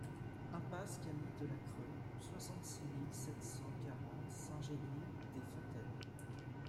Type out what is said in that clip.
Impasse Cami de la Creu, soixante-six mille sept cent quarante Saint-Génis-des-Fontaines